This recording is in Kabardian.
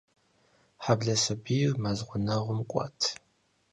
Хьэблэ сабийр мэз гъунэгъум кӀуат.